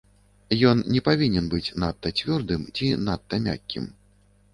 Ён не павінен быць надта цвёрдым ці надта мяккім.